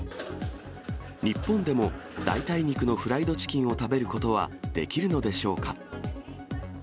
日本でも代替肉のフライドチキンを食べることはできるのでしょうか。